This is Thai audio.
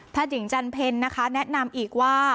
หญิงจันเพ็ญนะคะแนะนำอีกว่า